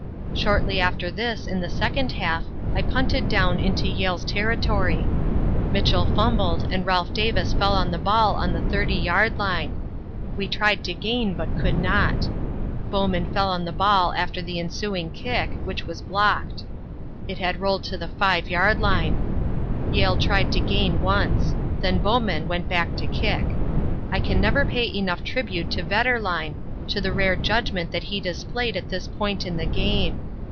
"Shortly after this in the second half I punted down into Yale's territory. Mitchell fumbled and Ralph Davis fell on the ball on the 30 yard line. We tried to gain, but could not. Bowman fell on the ball after the ensuing kick, which was blocked. It had rolled to the 5 yard line. Yale tried to gain once; then Bowman went back to kick. I can never pay enough tribute to Vetterlein, to the rare judgment that he displayed at this point in the game.